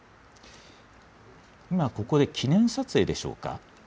今ここで記念撮影でしょうか。